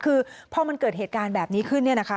คือพอมันเกิดเหตุการณ์แบบนี้ขึ้นเนี่ยนะคะ